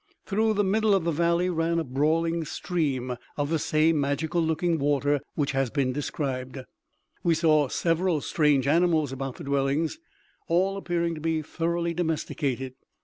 Through the middle of the valley ran a brawling stream of the same magical looking water which has been described. We saw several strange animals about the dwellings, all appearing to be thoroughly domesticated.